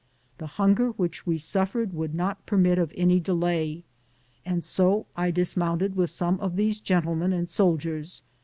The hunger which we suffered would not permit of any delay, and bo I dis mounted with some of these gentlemen and soldiers.